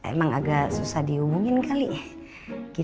emang agak susah dihubungin kali ya